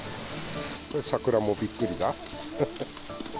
桜もびっくりだ。